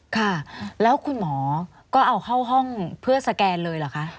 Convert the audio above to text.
ค่ะแล้วคุณหมอก็เอาเข้าห้องเพื่อสแกนเลยเหรอคะ